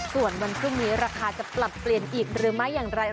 ส่วนวันพรุ่งนี้ราคาจะปรับเปลี่ยนอีกหรือไม่อย่างไร